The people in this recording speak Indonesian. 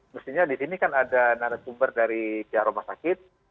mestinya di sini kan ada narasumber dari pihak rumah sakit